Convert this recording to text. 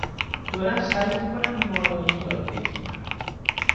دارم سعی می کنم مالایی یاد بگیرم.